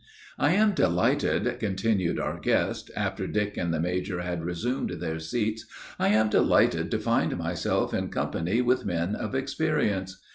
"I am delighted," continued our guest, after Dick and the major had resumed their seats, "I am delighted to find myself in company with men of experience.